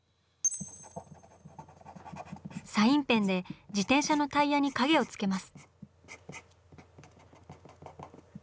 サインペンで自転車のタイヤに影をつけます。